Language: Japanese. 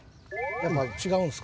やっぱ違うんですか？